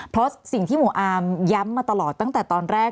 เพราะสิ่งที่หมู่อาร์มย้ำมาตลอดตั้งแต่ตอนแรก